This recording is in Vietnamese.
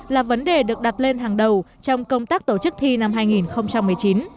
là vấn đề được đặt lên hàng đầu trong công tác tổ chức thi năm hai nghìn một mươi chín